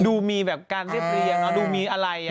ดูมีแบบการเรียบเรียงดูมีอะไร